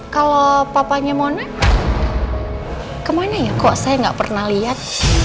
kalau papanya mona kemana ya kok saya nggak pernah lihat